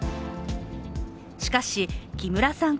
しかし、木村さん